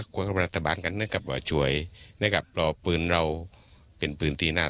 ควรกับรัฐบาลกันนะครับว่าช่วยนะครับปลอบปืนเราเป็นปืนตีหน้า